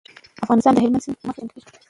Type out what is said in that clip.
افغانستان د هلمند سیند له مخې پېژندل کېږي.